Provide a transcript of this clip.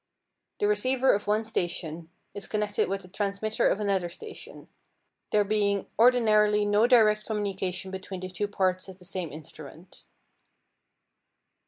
The receiver of one station is connected with the transmitter of another station; there being ordinarily no direct communication between the two parts of the same instrument.